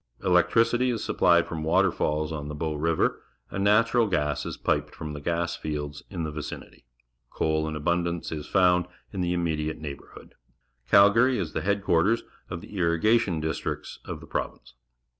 Electricity is supplied from waterfalls on the Bow River, and natural gas is piped from the gas fields in the vicinity. Coal Jn abundance is found in the immediate neiglibourhood. Calgary is the headquarters of the irrigation districts of the province.